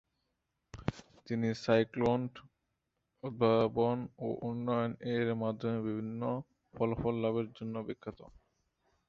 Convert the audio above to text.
তিনি সাইক্লোট্রন উদ্ভাবন এবং উন্নয়ন, এর মাধ্যমে বিভিন্ন ফলাফল লাভের জন্য বিখ্যাত।